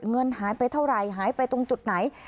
เงินหายไปเท่าไหร่หายไปตรงจุดไหน